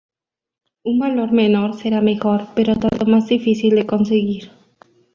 Un valor menor será mejor, pero tanto más difícil de conseguir.